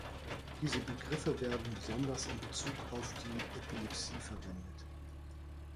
Diese Begriffe werden besonders in Bezug auf die Epilepsie verwendet.